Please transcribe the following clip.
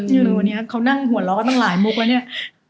คือนี้เค้านั่งหัวละตั้งหลายมุกแล้วเนี่ย